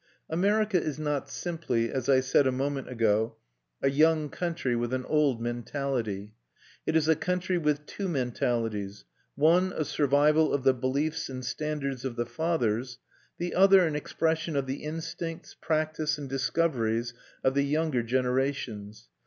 America is not simply, as I said a moment ago, a young country with an old mentality: it is a country with two mentalities, one a survival of the beliefs and standards of the fathers, the other an expression of the instincts, practice, and discoveries of the younger generations.